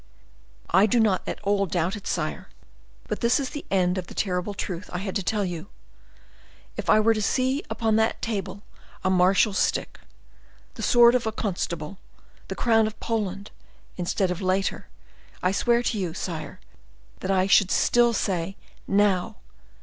"I do not at all doubt it, sire; but this is the end of the terrible truth I had to tell you. If I were to see upon that table a marshal's stick, the sword of constable, the crown of Poland, instead of later, I swear to you, sire, that I should still say Now!